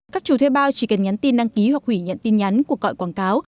các chủ thuê bao chỉ cần nhắn tin đăng ký hoặc hủy nhận tin nhắn của gọi quảng cáo